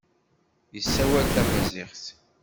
Yessawal tamaziɣt.